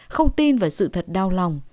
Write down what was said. không tin vào sự thật đau lòng